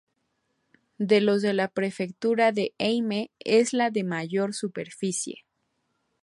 De los de la Prefectura de Ehime es la de mayor superficie.